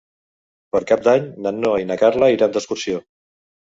Per Cap d'Any na Noa i na Carla iran d'excursió.